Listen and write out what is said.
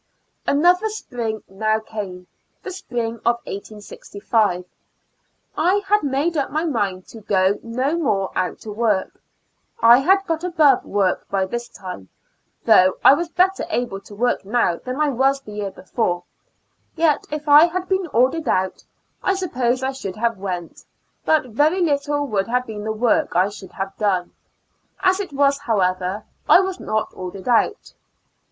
Another spring now came, the spring of 1865 ; I had made up my mind to go no more out to work ; I had got above work by this time, though I was better able to work now than I was the year before ; yet if I had been ordered out, I suppose I should have went, but very little would have been the work I should have done ; as it was, however, I was not ordered out.